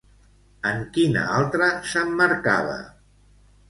En quina altra s'emmarcava?